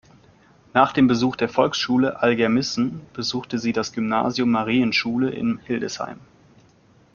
Nach dem Besuch der Volksschule Algermissen besuchte sie das Gymnasium Marienschule in Hildesheim.